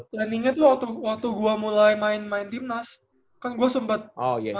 maka itu waktu gue mulai main timnas kan gue sempet main seaba